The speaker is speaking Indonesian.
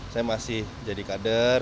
saya masih jadi kader